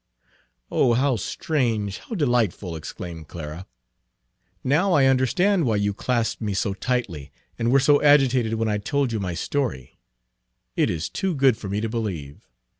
"Oh, how strange, how delightful!" exclaimed Clara. "Now I understand why you clasped me so tightly, and were so agitated when I told you my story. It is too good for me to believe.